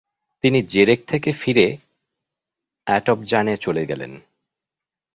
তিনি জেরেক থেকে ফিরে আটপজানে চলে গেলেন।